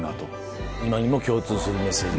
今にも共通するメッセージが。